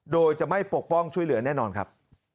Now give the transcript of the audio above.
โดยจะไม่ปกป้องช่วยเหลือแน่นอนครับ